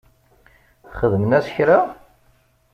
Xedmen-as kra?